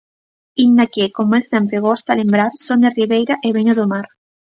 Inda que, como el sempre gosta lembrar: son de Ribeira e veño do mar.